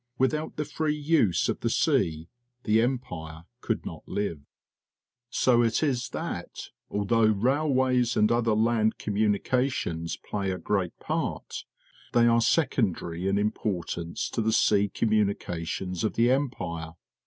Without the free use of the sea the Empire could not live. So it is that, although railways and other land communications play a great part, they are secondary in importance to the sea communications of the Empire.